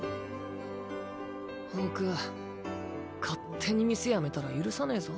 ホーク勝手に店辞めたら許さねぇぞ。